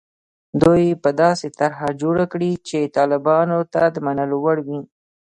دوی به داسې طرح جوړه کړي چې طالبانو ته د منلو وړ وي.